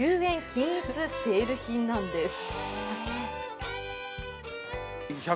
均一セール品なんです。